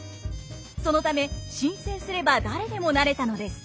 そのため申請すれば誰でもなれたのです。